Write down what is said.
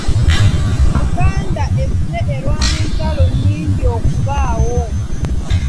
Buganda ezze erwana entalo nnyingi okubaawo.